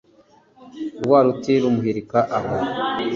Rwa ruti rumuhirika aho